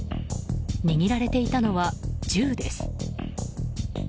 握られていたのは銃です。